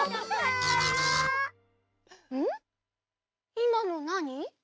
いまのなに？